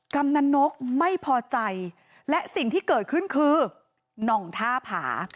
กำนันนกไม่พอใจและสิ่งที่เกิดขึ้นคือน่องท่าผา